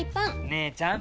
姉ちゃん！